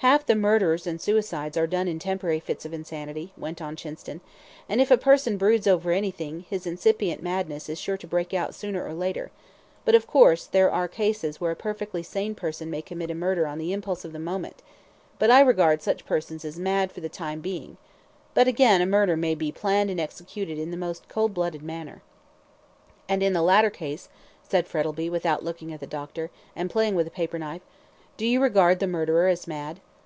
"Half the murders and suicides are done in temporary fits of insanity," went on Chinston, "and if a person broods over anything, his incipient madness is sure to break out sooner or later; but, of course, there are cases where a perfectly sane person may commit a murder on the impulse of the moment, but I regard such persons as mad for the time being; but, again, a murder may be planned and executed in the most cold blooded manner." "And in the latter case," said Frettlby, without looking at the doctor, and playing with a paper knife, "do you regard the murderer as mad?"